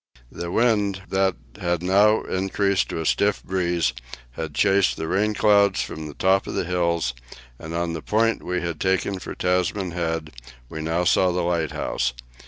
The wind, that had now increased to a stiff breeze, had chased the rain clouds from the tops of the hills, and on the point we had taken for Tasman Head, we now saw the lighthouse.